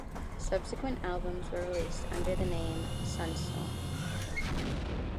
Subsequent albums were released under the name, Sunstorm.